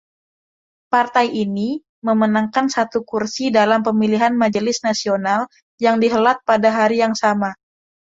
Partai ini memenangkan satu kursi dalam pemilihan Majelis Nasional yang dihelat pada hari yang sama.